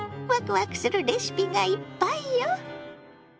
わくわくするレシピがいっぱいよ。